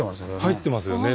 入ってますよね